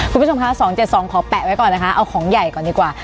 คุณผู้ชมคะ๒๗๒ขอแปะไว้ก่อนนะคะเอาของใหญ่ก่อนดีกว่า